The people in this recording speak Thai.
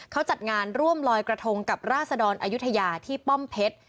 เขาจัดงานร่วมลอยกระทงกับราศดรอายุทยาที่ป้อมเพชร